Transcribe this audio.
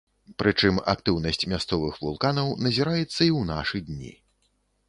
Прычым, актыўнасць мясцовых вулканаў назіраецца і ў нашы дні.